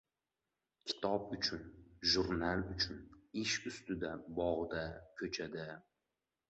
Kitob uchun, jurnal uchun, ish ustida, bog‘da, ko‘chada...